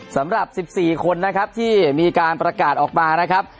สำหรับ๑๔คนนะครับที่มีการประกาศออกมานะครับ